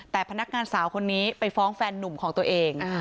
แต่พนักงานสาวคนนี้ไปฟ้องแฟนนุ่มของตัวเอง